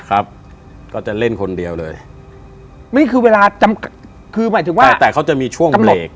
ก็จะเล่นคนเดียวเลยนี่คือเวลาจำกัดคือหมายถึงว่าแต่เขาจะมีช่วงเบรก